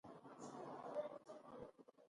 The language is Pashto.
د سوځیدو د تڼاکو لپاره د هګۍ د سپین ضماد وکاروئ